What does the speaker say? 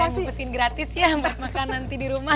sekarang mumpusin gratis ya mas makan nanti di rumah